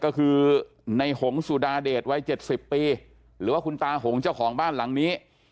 ก็คือในหงสุดาเดชวัย๗๐ปีหรือว่าคุณตาหงเจ้าของบ้านหลังนี้